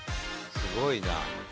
「すごいな！」